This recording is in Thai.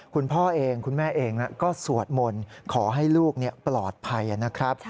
คุณพ่อเองคุณแม่เองก็สวดมนต์ขอให้ลูกปลอดภัยนะครับ